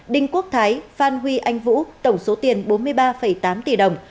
đinh quốc thái phan huy anh vũ tổng số tiền bốn mươi ba tám tỷ đồng